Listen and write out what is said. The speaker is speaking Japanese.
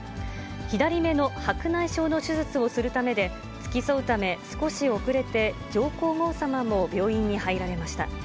左目の白内障の手術をするためで、付き添うため、少し遅れて、上皇后さまも病院に入られました。